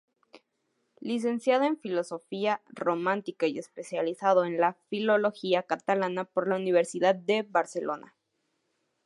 Licenciado en filología románica y especializado en filología catalana por la Universidad de Barcelona.